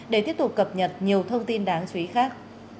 để tiếp tục cập nhật nhiều thông tin đáng chú ý khác